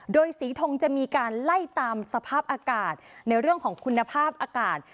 โดยสีทงจะมีการไล่ตามสภาพอากาศในเรื่องของคุณภาพอากาศ